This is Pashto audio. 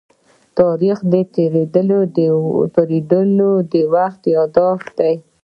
تاریخ د تېرېدلو وخت يادښت دی.